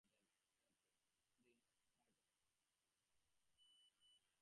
দক্ষিণে বামে কোনো দিকে দৃষ্টিপাত না করিয়া সম্মুখে চাহিয়া রাজা ধীরে ধীরে চলিতে লাগিলেন।